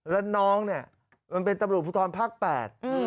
แล้วน้องเนี้ยมันเป็นตบปุธรภาคแปดอือ